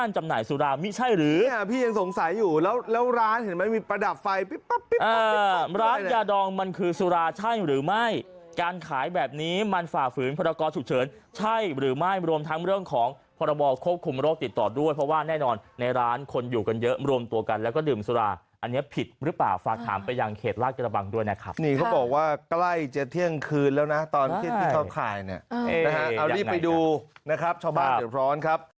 เอาแบบนี้มันฝ่าฝืนพรกรฉุกเฉินใช่หรือไม่รวมทั้งเรื่องของพรบควบคุมโรคติดต่อด้วยเพราะว่าแน่นอนในร้านคนอยู่กันเยอะรวมตัวกันแล้วก็ดื่มสุราอันนี้ผิดหรือเปล่าฝากถามไปยังเขตลาดกระบังด้วยนะครับนี่เขาบอกว่าใกล้จะเที่ยงคืนแล้วนะตอนที่ที่เขาขายเนี่ยนะฮะเอารีบไปดูนะครับชาวบ้านเดือดร้อนครับ